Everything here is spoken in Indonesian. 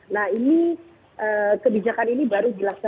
nah ini kebijakan ini baru dilaksanakan